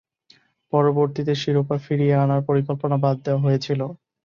পরবর্তীতে শিরোপা ফিরিয়ে আনার পরিকল্পনা বাদ দেয়া হয়েছিল।